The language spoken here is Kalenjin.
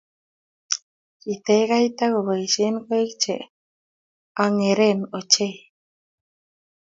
Kitech kaita koboishe koik che angeren ochei.